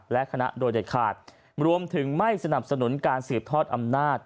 และคณะโดยเด็ดขาดรวมถึงไม่สนับสนุนการสืบทอดอำนาจ